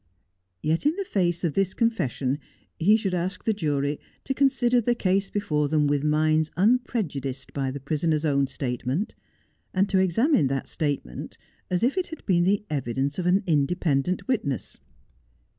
Yet in the face of this confession he should ask the jury to consider the case before them with minds unprejudiced by the prisoner's own statement, and to examine that statement as if it had been the evidence of an independent witness.